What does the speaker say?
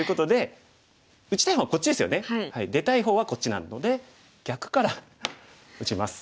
出たい方はこっちなので逆から打ちます。